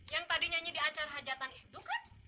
yang tadi nyanyi di acara hajatan itu kan